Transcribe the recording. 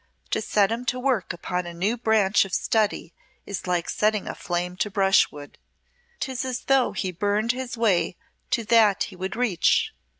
To set him to work upon a new branch of study is like setting a flame to brushwood. 'Tis as though he burned his way to that he would reach."